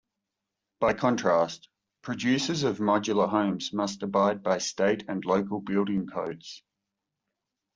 By contrast, producers of modular homes must abide by state and local building codes.